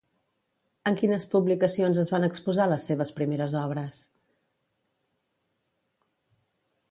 En quines publicacions es van exposar les seves primeres obres?